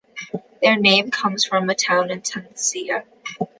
Their name comes from a town in Tunisia.